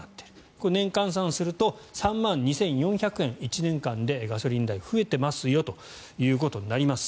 これ年換算すると３万２４００円１年間でガソリン代が増えていますよということになります。